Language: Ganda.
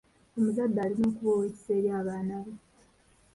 Omuzadde alina okuba ow'ekisa eri abaana be.